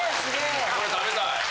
これ食べたい。